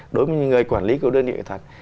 đối với người quản lý của đơn vị ảnh thật